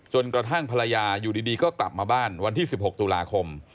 กระทั่งภรรยาอยู่ดีก็กลับมาบ้านวันที่๑๖ตุลาคม